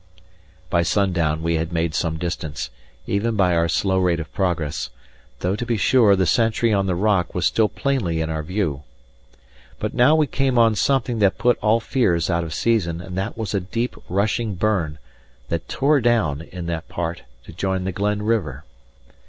By sundown we had made some distance, even by our slow rate of progress, though to be sure the sentry on the rock was still plainly in our view. But now we came on something that put all fears out of season; and that was a deep rushing burn, that tore down, in that part, to join the glen river.